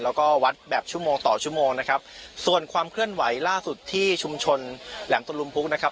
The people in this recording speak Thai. แล้วก็วัดแบบชั่วโมงต่อชั่วโมงนะครับส่วนความเคลื่อนไหวล่าสุดที่ชุมชนแหลมตะลุมพุกนะครับ